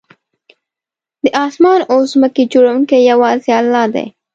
د آسمان او ځمکې جوړونکی یوازې الله دی